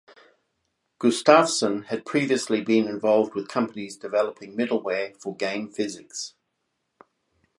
Gustafsson had previously been involved with companies developing middleware for game physics.